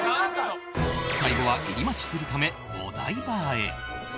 最後は入り待ちするためお台場へ